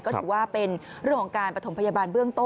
เรื่องของการปฐมพยาบาลเบื้องต้น